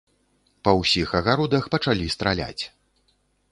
Па ўсіх агародах пачалі страляць.